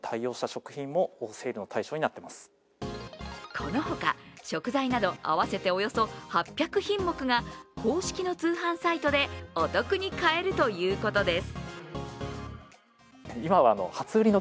このほか、食材など合わせておよそ８００品目が公式の通販サイトでお得に買えるということです。